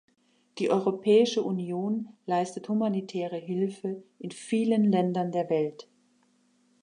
Die Europäische Union leistet humanitäre Hilfe in vielen Ländern der Welt.